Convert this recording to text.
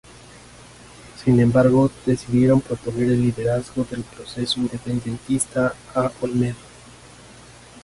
Sin embargo, decidieron proponer el liderazgo del proceso independentista a Olmedo.